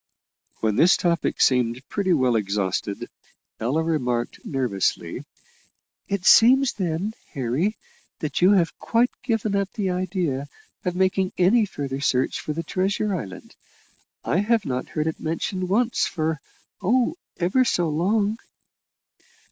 When this topic seemed pretty well exhausted, Ella remarked nervously, "It seems then, Harry, that you have quite given up the idea of making any further search for the treasure island. I have not heard it mentioned once for oh! ever so long."